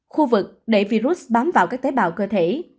khu vực đẩy virus bám vào các tế bào cơ thể